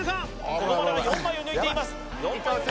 ここまでは４枚を抜いています